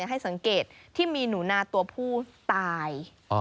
ให้สังเกตที่มีหนูนาตัวผู้ตาย